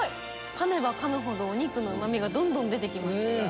かめばかむほどお肉のうまみが出てきます。